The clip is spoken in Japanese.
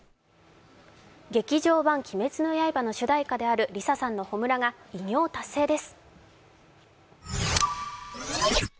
劇場版「鬼滅の刃」の主題歌であるＬｉＳＡさんの「炎」が偉業を達成です。